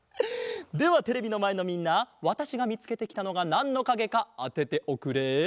ではテレビのまえのみんなわたしがみつけてきたのがなんのかげかあてておくれ。